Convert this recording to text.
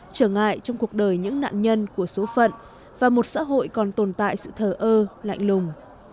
trở ngại trong cuộc đời những nạn nhân của số phận và một xã hội còn tồn tại sự thờ ơ lạnh lùng